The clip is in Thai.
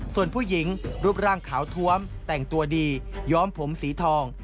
ส่วนผู้หญิงรูปร่างขาวท้วมแต่งตัวดีย้อมผมสีทอง